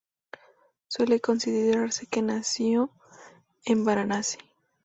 Suele considerarse que nació en Varanasi.